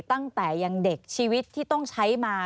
ตั้งแต่ยังเด็กชีวิตที่ต้องใช้มา